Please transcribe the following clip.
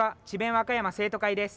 和歌山生徒会です。